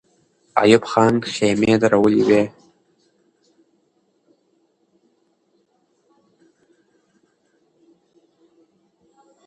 ایوب خان خېمې درولې وې.